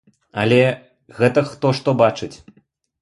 Але гэта хто што бачыць.